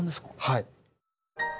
はい。